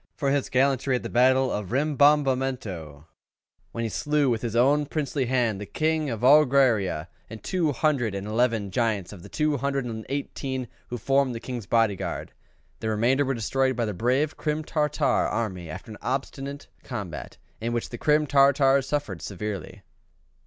for his gallantry at the battle of Rimbombamento, when he slew with his own princely hand the King of Ograria and two hundred and eleven giants of the two hundred and eighteen who formed the King's body guard. The remainder were destroyed by the brave Crim Tartar army after an obstinate combat, in which the Crim Tartars suffered severely."